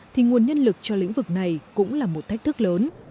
thì nguồn nhân lực cho lĩnh vực này cũng là một thách thức lớn